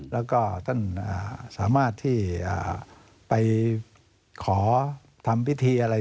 แล้วก็ท่านสามารถที่ไปขอทำพิธีอะไร